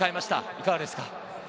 いかがですか？